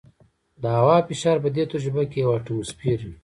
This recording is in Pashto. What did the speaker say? د هوا فشار په دې تجربه کې یو اټموسفیر وي.